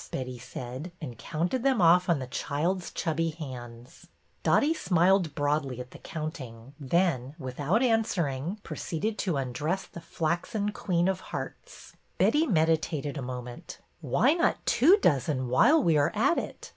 Betty said, and counted them ofif on the child's chubby hands. Dotty smiled broadly at the counting, then, without answering, proceeded to undress the flaxen Queen of Hearts. 68 BETTY BAIRD'S VENTURES Betty meditated a moment. '' Why not two dozen while we are at it?